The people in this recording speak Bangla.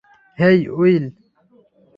Hey, will.